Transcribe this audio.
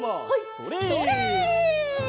それ！